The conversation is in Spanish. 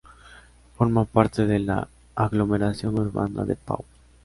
Forma parte de la aglomeración urbana de Pau.